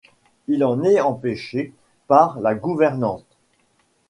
Il en est empêché par la gouvernante.